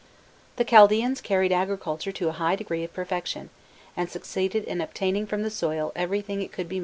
The Chaldaeans carried agriculture to a high degree of perfection, and succeeded in obtaining from the soil everything it could be made to yield.